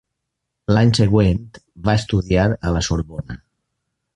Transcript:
L'any següent va estudiar a la Sorbona.